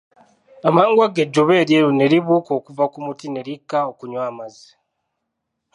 Amangu ago Ejjuba eryeru ne libuuka okuva ku muti ne likka okunywa amazzi.